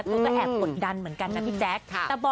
ถึงเวลาค่ะถึงเวลาที่พี่จั๊กอยากจะ